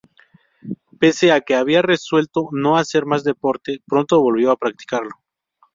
Pese a que había resuelto no hacer más deporte, pronto volvió a practicarlo.